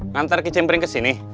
ngantar kecimpring kesini